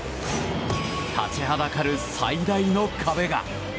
立ちはだかる最大の壁が。